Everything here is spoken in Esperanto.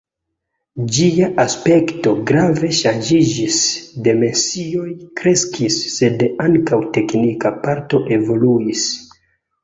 Ĝia aspekto grave ŝanĝiĝis, dimensioj kreskis, sed ankaŭ teknika parto evoluis.